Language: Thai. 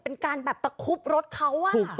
เป็นการแบบตะคุบรถเขา